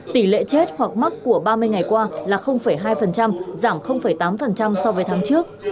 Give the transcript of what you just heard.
tỷ lệ chết hoặc mắc của ba mươi ngày qua là hai giảm tám so với tháng trước